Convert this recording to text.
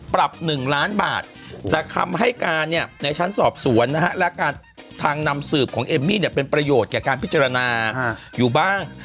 ปรับ๑ล้านบาทแต่คำให้การเนี่ยในชั้นสอบสวนนะฮะและการทางนำสืบของเอมมี่เนี่ยเป็นประโยชน์แก่การพิจารณาอยู่บ้าง